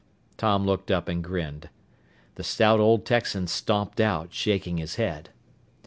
Tom looked up and grinned. The stout old Texan stomped out, shaking his head.